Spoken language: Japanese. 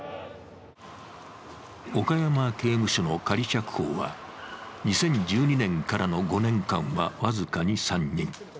岡山刑務所の仮釈放は２０１２年からの５年間は僅かに３人。